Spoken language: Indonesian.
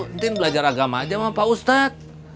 mungkin belajar agama aja sama pak ustadz